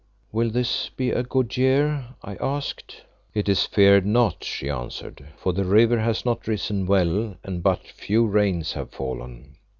"Will this be a good year?" I asked. "It is feared not," she answered, "for the river has not risen well and but few rains have fallen.